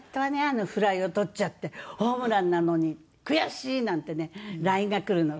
「あのフライを捕っちゃって」「ホームランなのに悔しい」なんてねＬＩＮＥがくるの。